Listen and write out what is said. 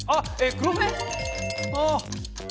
黒船？